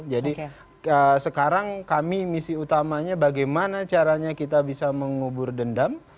jadi sekarang kami misi utamanya bagaimana caranya kita bisa mengubur dendam